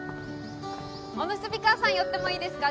おむすび母さん寄ってもいいですか？